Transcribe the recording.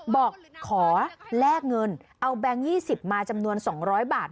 บอกขอแลกเงินเอาแบงค์๒๐มาจำนวน๒๐๐บาท